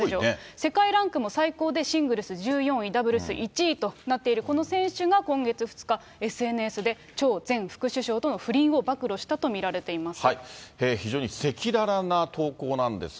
世界ランクも最高でシングルス１４位、ダブルス１位となっている、この選手が今月２日、ＳＮＳで張前副首相との不倫を暴露したと見られています。